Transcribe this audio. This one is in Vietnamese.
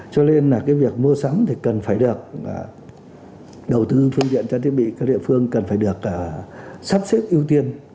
cho nên việc mua sẵn thì cần phải được đầu tư phương diện trang thiết bị các địa phương cần phải được sắp xếp ưu tiên